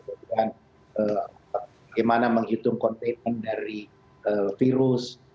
kemudian bagaimana menghitung kontainment dari virus